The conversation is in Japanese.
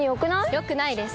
よくないです。